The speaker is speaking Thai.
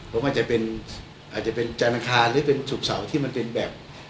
เพราะมันอาจจะเป็นจานคารหรือเป็นศุกร์เสาร์ที่มันเป็นแบบ